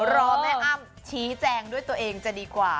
รอแม่อ้ำชี้แจงด้วยตัวเองจะดีกว่า